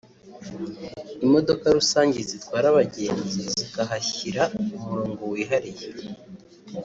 imodoka rusange zitwara abagenzi zikahashyira umurongo wihariye